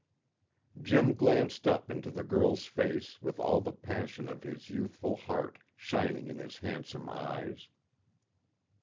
Jim glanced up into the girl's face with all the passion of his youthful heart shining in his handsome eyes.